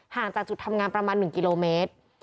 จากจุดทำงานประมาณ๑กิโลเมตร